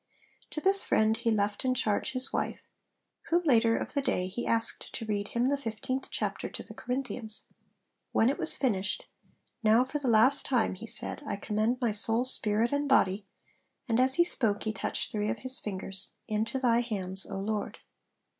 To this friend he left in charge his wife, whom later of the day he asked to read him the fifteenth chapter to the Corinthians. When it was finished, 'Now for the last [time],' he said, 'I commend my soul, spirit, and body' (and as he spoke he touched three of his fingers) 'into Thy hands, O Lord.'